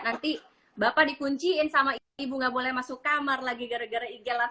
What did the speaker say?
nanti bapak dikunciin sama ibu gak boleh masuk kamar lagi gara gara ig live sama cnn lah ya